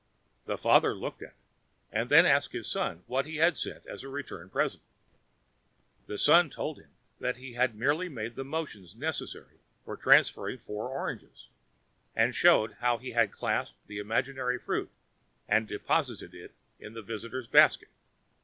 The father looked at it, and then asked his son what he had sent as a return present. The son told him he had merely made the motions necessary for transferring four oranges, and showed how he had clasped the imaginary fruit and deposited it in the visitor's basket.